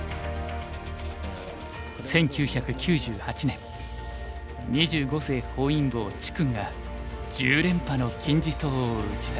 １９９８年二十五世本因坊治勲が１０連覇の金字塔を打ち立てた。